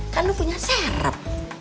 kan lo punya serep